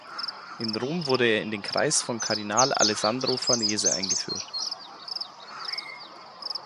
In Rom wurde er in den Kreis von Kardinal Alessandro Farnese einführt.